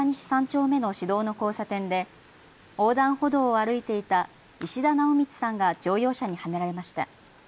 ３丁目の市道の交差点で横断歩道を歩いていた石田直充さんが乗用車にはねられました。